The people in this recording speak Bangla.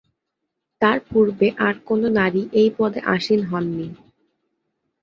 তার পূর্বে আর কোন নারী এই পদে আসীন হন নি।